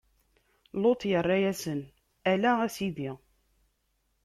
Luṭ irra-yasen: Ala, a Sidi!